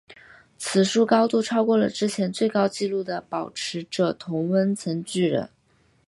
此树高度超过了之前最高纪录的保持者同温层巨人。